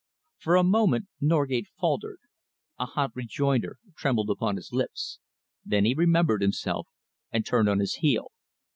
For a moment Norgate faltered. A hot rejoinder trembled upon his lips. Then he remembered himself and turned on his heel.